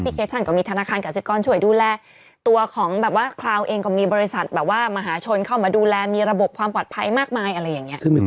เคชันก็มีธนาคารกาศิกรช่วยดูแลตัวของแบบว่าคราวเองก็มีบริษัทแบบว่ามหาชนเข้ามาดูแลมีระบบความปลอดภัยมากมายอะไรอย่างนี้